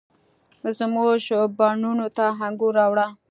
زموږ بڼوڼو ته انګور، راوړه،